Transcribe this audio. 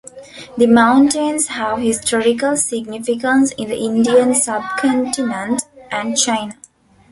The mountains have historical significance in the Indian subcontinent and China.